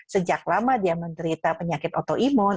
sejak lama dia menderita penyakit autoimun